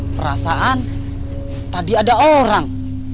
perasaan tadi ada orang